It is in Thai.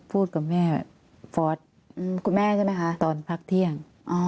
พูดกับแม่ฟอสตอนพักเที่ยง